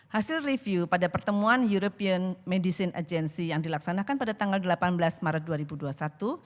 hasil review pada pertemuan european medicine agency yang dilaksanakan pada tanggal delapan belas maret dua ribu dua puluh satu